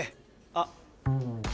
あっ。